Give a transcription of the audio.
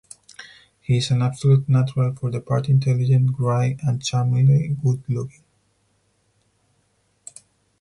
He's an absolute natural for the part-intelligent, wry, and charmingly good looking.